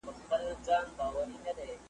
له نیکونو ورته پاته همدا کور وو `